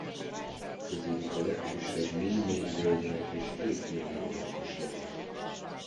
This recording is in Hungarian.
Közülük a legkisebb Milymély-Völgynek is hétmillió lakosa van.